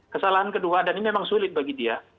kesalahan kedua dan ini memang sulit bagi dia